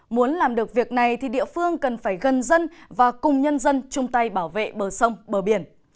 muốn làm được việc này thì địa phương cần phải gần dân và cùng nhân dân chung tay bảo vệ bờ sông bờ biển